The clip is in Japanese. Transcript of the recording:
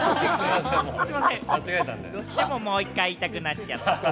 どうしても、もう一回言いたくなっちゃった。